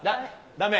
だめ？